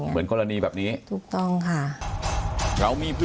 เหมือนกรณีแบบนี้